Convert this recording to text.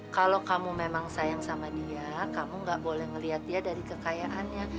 kalau kamu memang sayang sama dia kamu gak boleh ngelihat dia dari kekayaannya